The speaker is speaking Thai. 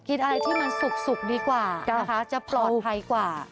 กินอะไรที่มันสุกดีกว่านะคะจะปลอดภัยกว่า